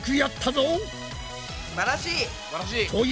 すばらしい！